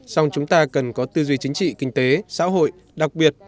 song chúng ta cần có tư duy chính trị kinh tế xã hội đặc biệt